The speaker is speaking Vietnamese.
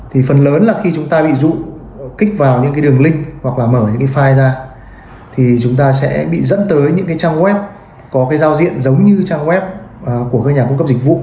hãng facebook có giao diện giống như trang web của nhà cung cấp dịch vụ